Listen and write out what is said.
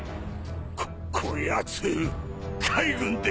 ここやつ海軍でござる！